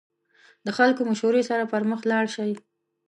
د خلکو مشورې سره پرمخ لاړ شئ.